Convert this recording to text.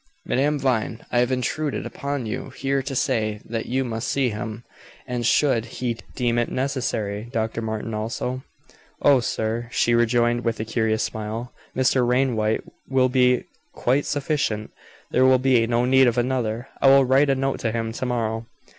"Madame Vine, I have intruded upon you here to say that you must see him, and, should he deem it necessary, Dr. Martin also." "Oh, sir," she rejoined with a curious smile, "Mr. Wainwright will be quite sufficient. There will be no need of another. I will write a note to him to morrow."